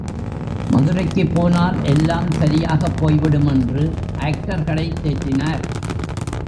மதுரைக்குப் போனால் எல்லாம் சரியாகப் போய்விடும் என்று ஆக்டர்களைத் தேற்றினார்.